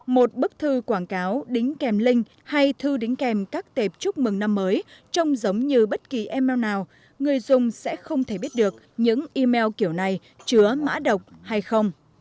một bức thư quảng cáo đính kèm link hay thư đính kèm các tệp chúc mừng năm mới trông giống như bất kỳ email nào người dùng sẽ không thể biết được những email kiểu này chứa mã độc hay không